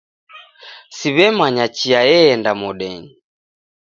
Siw'emanya chia eenda modenyi